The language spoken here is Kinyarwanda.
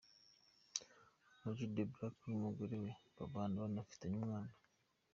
Ama-G The Black n’umugore we babana banafitanye umwana.